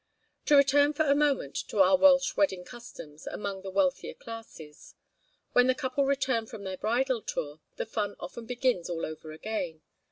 To return for a moment to our Welsh wedding customs among the wealthier classes. When the couple return from their bridal tour, the fun often begins all over again.